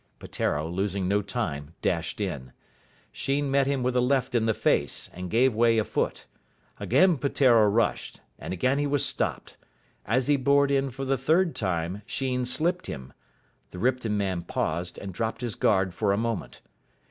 Peteiro, losing no time, dashed in. Sheen met him with a left in the face, and gave way a foot. Again Peteiro rushed, and again he was stopped. As he bored in for the third time Sheen slipped him. The Ripton man paused, and dropped his guard for a moment.